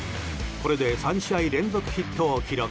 これで３試合連続ヒットを記録。